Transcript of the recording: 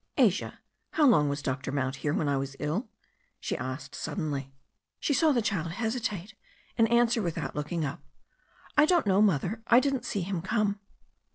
"Asia, how long was Dr. Mount here when I was ill?" she asked suddenly. She saw the child hesitate, and answer without looking up: "I don't know, Mother; I didn't see him come."